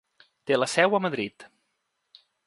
Té la seu a Madrid.